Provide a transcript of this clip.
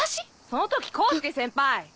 その時功介先輩。